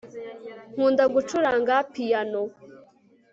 nkunda gucuranga piyano